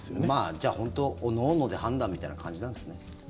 じゃあ、本当おのおので判断みたいなそうです。